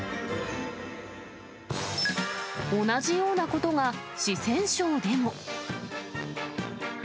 同じようなことが、四川省でも。